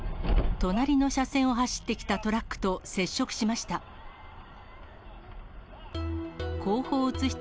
隣の車線を走ってきたトラックと接触しました。